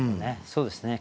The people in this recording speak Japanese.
そうですね。